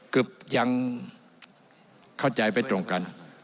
เกือบยังเข้าใจไปตรงกัน